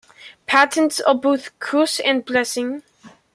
Patents are both curse and blessing.